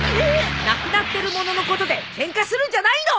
なくなってる物のことでケンカするんじゃないの！